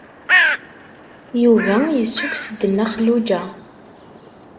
Yuba yessukkes-d Nna Xelluǧa.